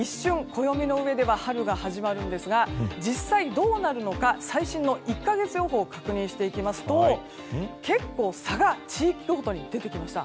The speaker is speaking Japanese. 暦の上では春が始まるんですが実際、どうなるのか最新の１か月予報を確認していきますと結構、差が地域ごとに出てきました。